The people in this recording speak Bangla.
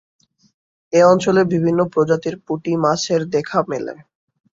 এই অঞ্চলে বিভিন্ন প্রজাতির পুঁটি মাছের দেখা মেলে।